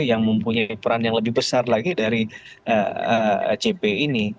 yang mempunyai peran yang lebih besar lagi dari cp ini